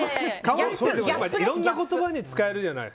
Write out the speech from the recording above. いろんな言葉に使えるじゃない。